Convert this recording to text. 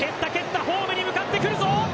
ホームに向かってくるぞ！